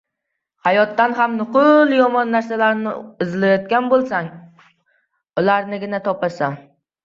hayotdan ham nuqul yomon narsalarni izlaydigan boʻlsang, ularnigina topasan.